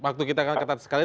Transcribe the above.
waktu kita akan ketat sekali